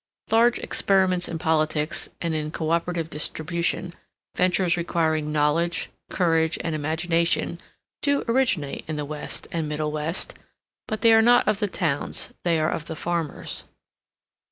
Large experiments in politics and in co operative distribution, ventures requiring knowledge, courage, and imagination, do originate in the West and Middlewest, but they are not of the towns, they are of the farmers.